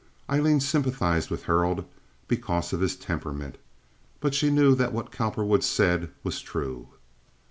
Aileen sympathized with Harold because of his temperament, but she knew that what Cowperwood said was true.